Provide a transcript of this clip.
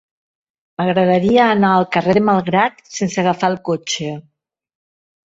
M'agradaria anar al carrer de Malgrat sense agafar el cotxe.